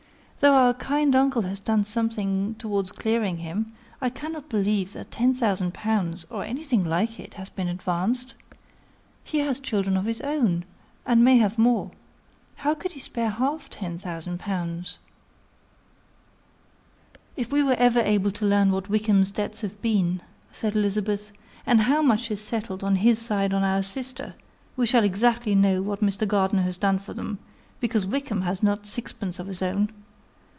Though our kind uncle has done something towards clearing him, I cannot believe that ten thousand pounds, or anything like it, has been advanced. He has children of his own, and may have more. How could he spare half ten thousand pounds?" "If we are ever able to learn what Wickham's debts have been," said Elizabeth, "and how much is settled on his side on our sister, we shall exactly know what Mr. Gardiner has done for them, because Wickham has not sixpence of his own.